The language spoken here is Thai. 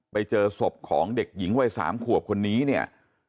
ไปเจอศพของเด็กหญิงวัย๓ขวบคนนี้เนี่ย